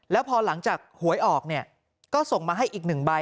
แล้วพอหลังจากหวยออกเนี่ยก็ส่งมาให้อีก๑ใบ